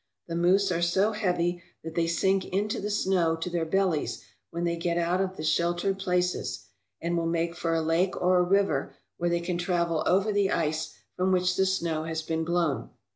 The moose are so heavy that they sink into the snow to their bellies when they get out of the sheltered places, and will make for a lake or a river where they can travel over the ice from which the snow has been blown.